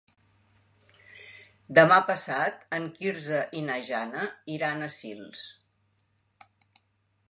Demà passat en Quirze i na Jana iran a Sils.